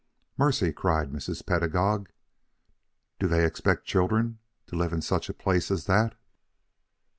"Mercy!" cried Mrs. Pedagog. "Do they expect children to live in such a place as that?"